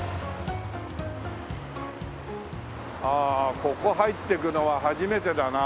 ああここ入っていくのは初めてだな。